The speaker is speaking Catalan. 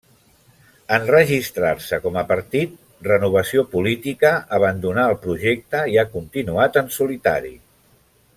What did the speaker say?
En registrar-se com a partit, Renovació Política abandonà el projecte i ha continuat en solitari.